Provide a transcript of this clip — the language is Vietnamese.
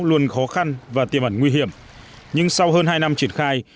luôn khó khăn và tiềm ẩn nguy hiểm nhưng sau hơn hai năm triển khai